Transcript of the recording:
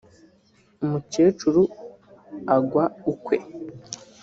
umukecuru agwa ukwe